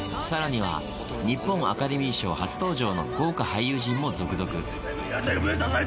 さらには、日本アカデミー賞初登場の豪華俳優陣も続々。